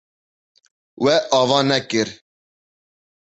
We ava nekir.